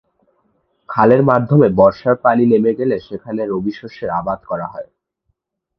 খালের মাধ্যমে বর্ষার পানি নেমে গেলে সেখানে রবিশষ্যের আবাদ করা হয়।